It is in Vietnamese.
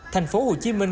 thành phố hồ chí minh